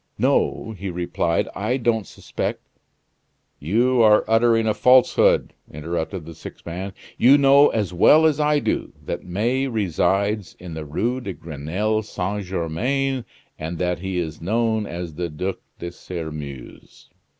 "No," he replied, "I don't suspect " "You are uttering a falsehood!" interrupted the sick man. "You know as well as I do, that May resides in the Rue de Grenelle Saint Germain, and that he is known as the Duc de Sairmeuse."